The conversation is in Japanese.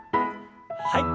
はい。